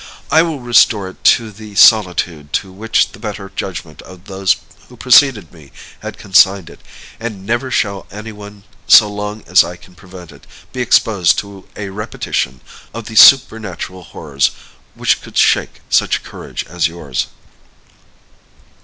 I will restore it to the solitude to which the better judgment of those who preceded me had consigned it; and never shall any one, so long as I can prevent it, be exposed to a repetition of the supernatural horrors which could shake such courage as yours."